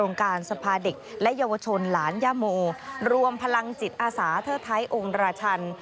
ครงการสภาดิกกษ์และเยาวชนหลานยาโหมรวมพลังจิตอาสาเทอร์ไทยโอห์ราชัน